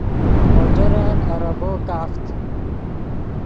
موٹرن اریبو کافت